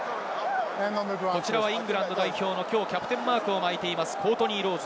イングランド代表のキャプテンマークを巻いているコートニー・ロウズ。